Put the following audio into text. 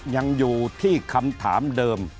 ยังอยู่ที่คำถามเดิม